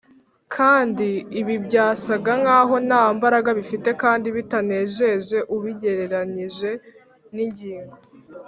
kandi ibi byasaga nk’aho nta mbaraga bifite kandi bitanejeje ubigereranyije n’ingingo